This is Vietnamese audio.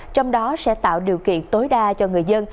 trong đó sẽ tạo điều kiện tối đa cho người dân